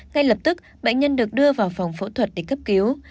ngay lập tức bệnh nhân được đưa vào phòng phẫu thuật để cấp cứu